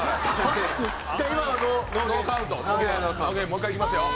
もう一回いきますよ。